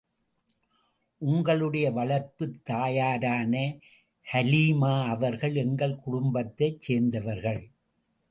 உங்களுடைய வளர்ப்புத் தாயாரான ஹலீமா அவர்கள் எங்கள் குடும்பத்தைச் சேர்ந்தவர்கள்.